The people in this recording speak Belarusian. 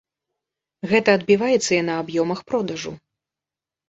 Гэта адбіваецца і на аб'ёмах продажу.